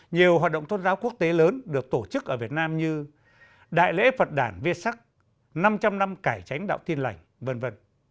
nhiều hoạt động tôn giáo quốc tế lớn được tổ chức ở việt nam như đại lễ phật đàn viết sắc năm trăm linh năm cải tránh đạo tin lành v v